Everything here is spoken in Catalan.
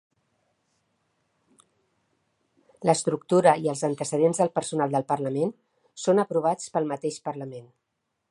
L'estructura i els antecedents del personal del Parlament són aprovats pel mateix Parlament.